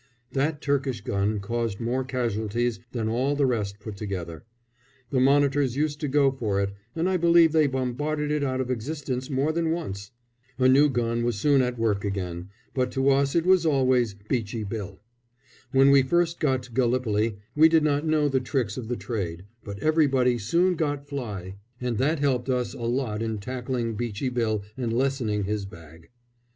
That Turkish gun caused more casualties than all the rest put together. The monitors used to go for it, and I believe they bombarded it out of existence more than once. A new gun was soon at work again, but to us it was always "Beachy Bill." When we first got to Gallipoli we did not know the tricks of the trade, but everybody soon got fly, and that helped us a lot in tackling "Beachy Bill" and lessening his bag.